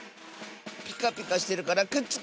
ピカピカしてるからくっつく！